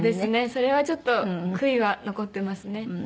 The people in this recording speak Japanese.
それはちょっと悔いは残ってますね。